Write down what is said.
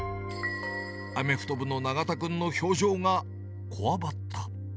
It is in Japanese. アメフト部の永田君の表情がこわばった。